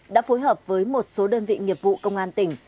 đã phối hợp với một số đơn vị nghiệp vụ công an tỉnh